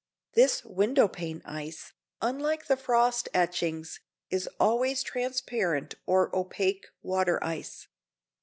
This window pane ice, unlike the frost etchings, is always transparent or opaque water ice.